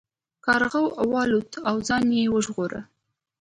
کارغه والوت او ځان یې وژغوره.